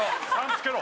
つけろ！